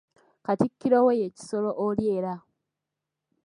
Katikkiro we ye Kisolo oli era.